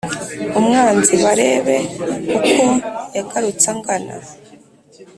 umwanzi barebe uko yagarutse angana.